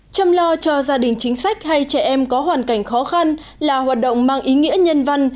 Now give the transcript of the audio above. chăm lo cho gia đình chính sách hay trẻ em có hoàn cảnh khó khăn là hoạt động mang ý nghĩa nhân văn